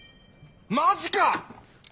マジか！